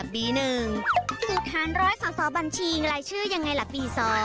เป็นรายชื่อยังไงล่ะปี๒